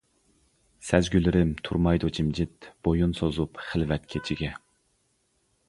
سەزگۈلىرىم تۇرمايدۇ جىمجىت، بويۇن سوزۇپ خىلۋەت كېچىگە.